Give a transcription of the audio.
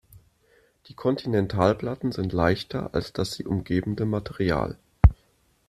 Die Kontinentalplatten sind leichter als das sie umgebende Material.